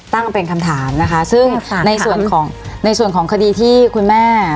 ตั้งเป็นคำถามนะคะซึ่งในส่วนของในส่วนของคดีที่คุณแม่